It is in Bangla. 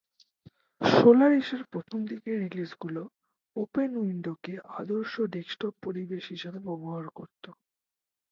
সোলারিসের প্রথমদিকের রিলিজগুলো ওপেনউইন্ডোকে আদর্শ ডেস্কটপ পরিবেশ হিসেবে ব্যবহার করত।